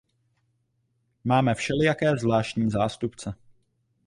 Máme všelijaké zvláštní zástupce.